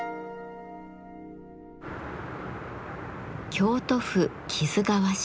京都府木津川市。